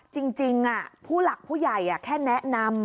จริงผู้หลักผู้ใหญ่แค่แนะนำ